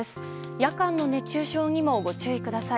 夜間の熱中症にもご注意ください。